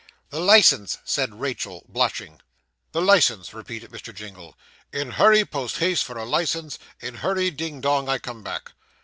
'The licence!' said Rachael, blushing. 'The licence,' repeated Mr. Jingle 'In hurry, post haste for a licence, In hurry, ding dong I come back.